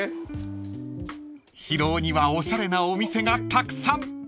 ［広尾にはおしゃれなお店がたくさん］